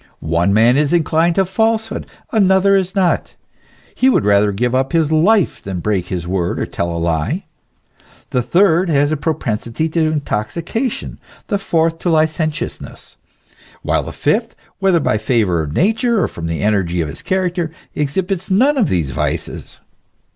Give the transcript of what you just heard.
One man is inclined to falsehood, another is not ; he would rather give up his life than break his word or tell a lie ; the third has a propensity to intoxication, the fourth to licentiousness ; while the fifth, whether by favour of Nature, or from the energy of his character, exhibits none of these vices.